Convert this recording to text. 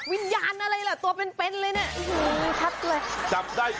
วิญญาณอะไรล่ะตัวเป็นเป็นเลยนี่